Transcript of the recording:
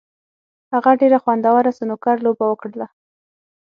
هغه ډېره خوندوره سنوکر لوبه وکړله.